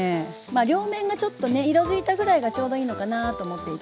両面がちょっとね色づいたぐらいがちょうどいいのかなと思っていて。